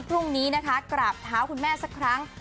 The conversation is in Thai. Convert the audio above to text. พรุ่งนี้นะคะกราบเท้าคุณแม่สักครั้ง